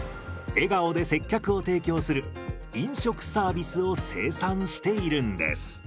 笑顔で接客を提供する飲食サービスを生産しているんです。